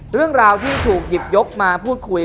เรื่องราวที่ถูกหยิบยกมาพูดคุย